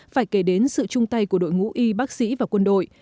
phải kể đến sự chung tay của đội ngũ y bác sĩ và quân đội